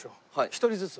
一人ずつ。